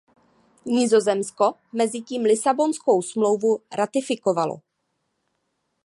Nizozemsko mezitím Lisabonskou smlouvu ratifikovalo.